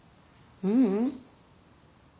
ううん。